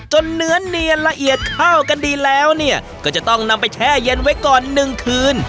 เนื้อเนียนละเอียดเข้ากันดีแล้วก็จะต้องนำไปแช่เย็นไว้ก่อน๑คืน